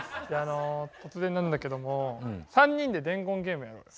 突然なんだけども３人で伝言ゲームやろうよ。